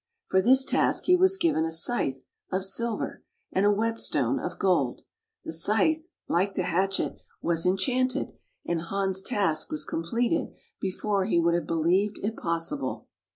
For this task he was given a scythe of silver, and a whetstone of gold. The scythe — like the hatchet — was enchanted, and Hans' task was com pleted before he would have believed it possible.